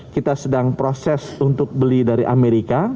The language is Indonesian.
kita sedang proses untuk beli dari amerika